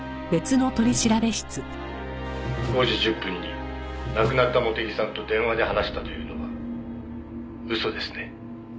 「５時１０分に亡くなった茂手木さんと電話で話したというのは嘘ですね？」